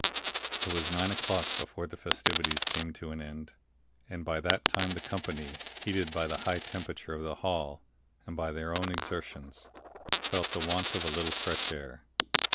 It was nine o'clock before the festivities came to an end, and by that time the company, heated by the high temperature of the hall, and by their own exertions, felt the want of a little fresh air.